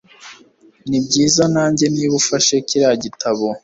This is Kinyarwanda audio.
Nibyiza nanjye niba ufashe kiriya gitabo